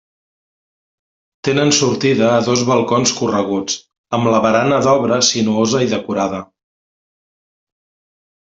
Tenen sortida a dos balcons correguts, amb la barana d'obra sinuosa i decorada.